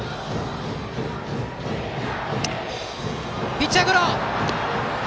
ピッチャーゴロ。